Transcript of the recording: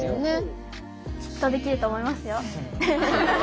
きっとできると思いますよ。